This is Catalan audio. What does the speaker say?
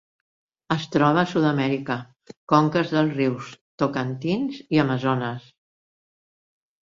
Es troba a Sud-amèrica: conques dels rius Tocantins i Amazones.